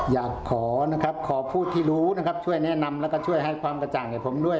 อยากขอนะครับขอผู้ที่รู้นะครับช่วยแนะนำแล้วก็ช่วยให้ความกระจ่างให้ผมด้วย